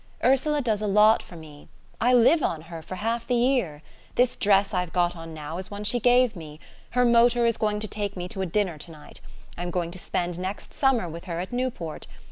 "Ursula does a lot for me: I live on her for half the year. This dress I've got on now is one she gave me. Her motor is going to take me to a dinner to night. I'm going to spend next summer with her at Newport....